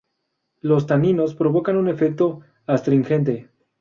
Los taninos provocan un efecto astringente.